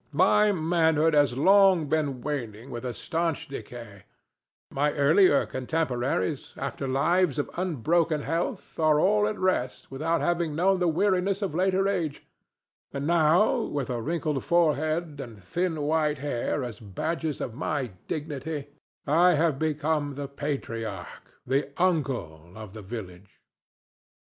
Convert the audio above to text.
My manhood has long been waning with a stanch decay; my earlier contemporaries, after lives of unbroken health, are all at rest without having known the weariness of later age; and now with a wrinkled forehead and thin white hair as badges of my dignity I have become the patriarch—the uncle—of the village.